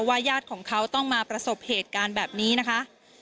ญาติของเขาต้องมาประสบเหตุการณ์แบบนี้นะคะ